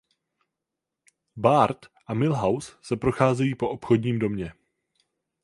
Bart a Milhouse se procházejí po obchodním domě.